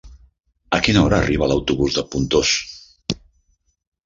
A quina hora arriba l'autobús de Pontós?